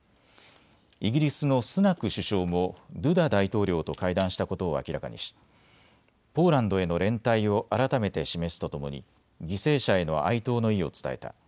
イギリスのスナク首相もドゥダ大統領と会談したことを明らかにし、ポーランドへの連帯を改めて示すとともに犠牲者への哀悼の意を伝えた。